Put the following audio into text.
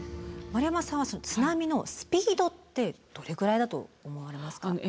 丸山さんは津波のスピードってどれぐらいだと思われますか？